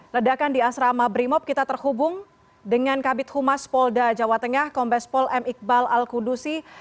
ledakan di asrama brimob kita terhubung dengan kabit humas polda jawa tengah kombes pol m iqbal al kudusi